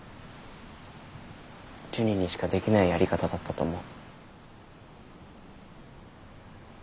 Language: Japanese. ジュニにしかできないやり方だったと思う。